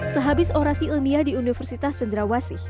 sehabis orasi ilmiah di universitas cendrawasih